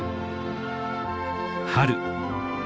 春。